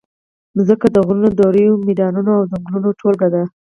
مځکه د غرونو، دریو، میدانونو او ځنګلونو ټولګه ده.